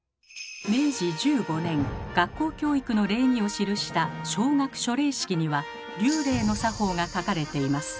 明治１５年学校教育の礼儀を記した「小学諸礼式」には「立礼」の作法が書かれています。